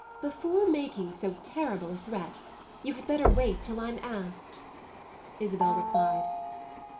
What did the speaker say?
"Before making so terrible a threat you had better wait till I'm asked," Isabel replied.